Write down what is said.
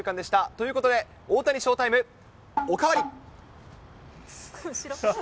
ということで、大谷ショータイムおかわり！